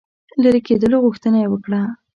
لیري کېدلو غوښتنه یې وکړه.